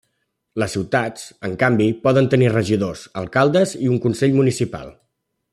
Les ciutats, en canvi, poden tenir regidors, alcaldes i un consell municipal.